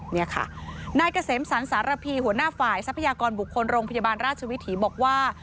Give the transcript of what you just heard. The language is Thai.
นี่ค่ะนายเกษมสรรสารพีหัวหน้าฝ่ายทรัพยากรบุคคลโรงพยาบาลราชวิถีบอกว่า